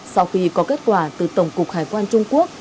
sau khi có kết quả từ tổng cục hải quan trung quốc